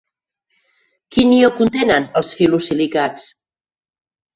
Quin ió contenen els fil·losilicats?